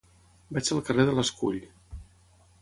Vaig al carrer de l'Escull.